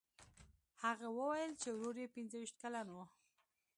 هغه وویل چې ورور یې پنځه ویشت کلن و.